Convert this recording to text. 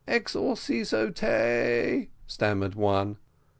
"Exorciso te," stammered one.